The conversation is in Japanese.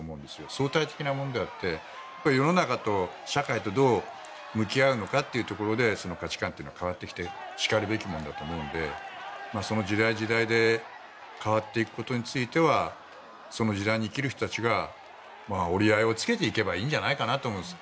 相対的なものであって世の中と社会とどう向き合うのかというところでその価値観というのは変わってきてしかるべきものだと思うのでその時代時代で変わっていくことについてはその時代に生きる人たちが折り合いをつけていけばいいんじゃないかと思います。